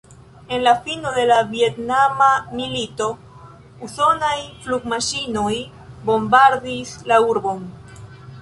En fino de la Vjetnama milito usonaj flugmaŝinoj bombardis la urbon.